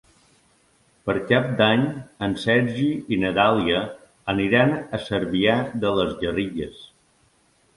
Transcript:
Per Cap d'Any en Sergi i na Dàlia aniran a Cervià de les Garrigues.